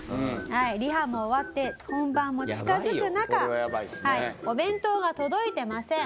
リハも終わって本番も近づく中お弁当が届いてません。